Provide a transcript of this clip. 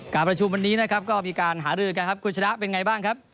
การประชุมวันนี้นะครับก็มีการหารือกันครับคุณชนะเป็นไงบ้างครับ